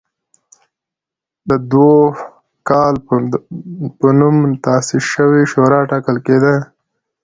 د دوکال په نوم نوې تاسیس شوې شورا ټاکل کېده.